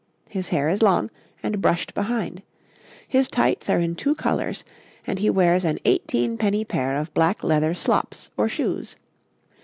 His hair is long, and bushed behind; his tights are in two colours, and he wears an eighteen penny pair of black leather slops or shoes.